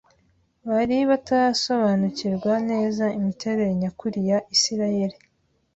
Bari batarasobanukirwa neza imiterere nyakuri ya Isiraeli